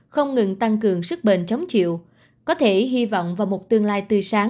không ngừng tăng cường sức bền chống chịu có thể hy vọng vào một tương lai tươi sáng